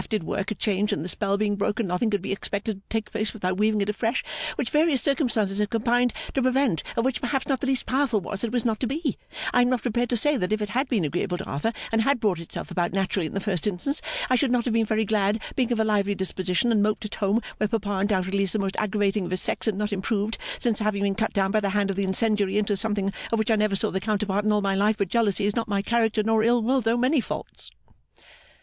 did work a change and the spell being broken nothing could be expected to take place without weaving it afresh which various circumstances have combined to prevent of which perhaps not the least powerful was that it was not to be, I am not prepared to say that if it had been agreeable to Arthur and had brought itself about naturally in the first instance I should not have been very glad being of a lively disposition and moped at home where papa undoubtedly is the most aggravating of his sex and not improved since having been cut down by the hand of the Incendiary into something of which I never saw the counterpart in all my life but jealousy is not my character nor ill will though many faults.